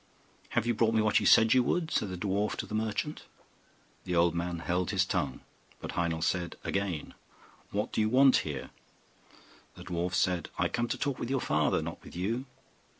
'Have you brought me what you said you would?' said the dwarf to the merchant. The old man held his tongue, but Heinel said again, 'What do you want here?' The dwarf said, 'I come to talk with your father, not with you.